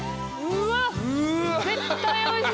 うわっ。